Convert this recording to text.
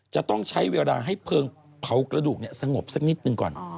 จะต้องใช้เวลาให้เพลิงเผากระดูกสงบสักนิดหนึ่งก่อน